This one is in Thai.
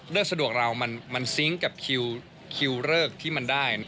เริกสะดวกเรามันซิงค์กับคิวเริกที่มันได้